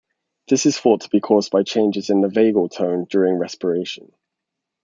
This is thought to be caused by changes in the vagal tone during respiration.